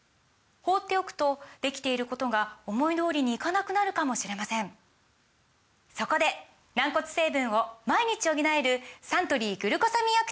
放っておくとできていることが思い通りにいかなくなるかもしれませんそこで軟骨成分を毎日補えるサントリー「グルコサミンアクティブ」！